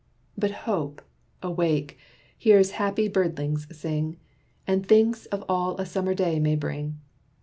But Hope, awake, hears happy birdlings sing, And thinks of all a summer day may bring.